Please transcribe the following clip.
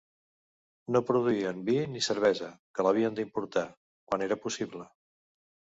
No produïen vi ni cervesa, que l'havien d'importar, quan era possible.